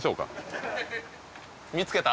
見つけた？